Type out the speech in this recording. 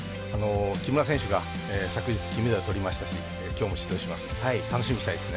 木村選手が昨日、金メダルとりましたしきょうも出場します。